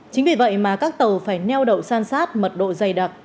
chính vì vậy mà các tàu phải neo đậu san sát mật độ dày đặc